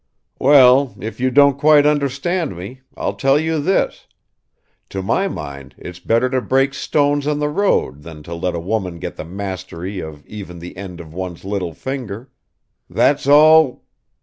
"Well, if you don't quite understand me, I'll tell you this; to my mind it's better to break stones on the road than to let a woman get the mastery of even the end of one's little finger. That's all